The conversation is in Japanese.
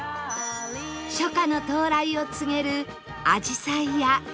初夏の到来を告げるアジサイや